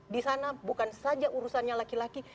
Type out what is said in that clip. di sana bukan saja urusannya laki laki